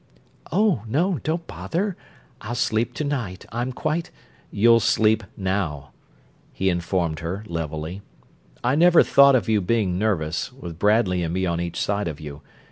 "Oh, no; don't bother. I'll sleep to night. I'm quite...." "You'll sleep now," he informed her, levelly. "I never thought of you being nervous, with Bradley and me on each side of you.